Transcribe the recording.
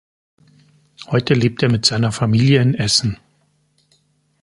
Heute lebt er mit seiner Familie in Essen.